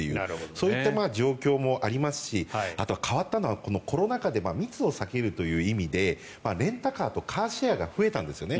そういった状況もありますしあと、変わったのはコロナ禍で密を避けるという意味でレンタカーとカーシェアが増えたんですね。